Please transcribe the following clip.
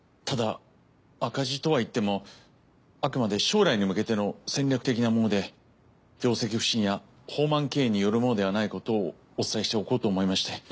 ただ赤字とはいってもあくまで将来に向けての戦略的なもので業績不振や放漫経営によるものではないことをお伝えしておこうと思いまして。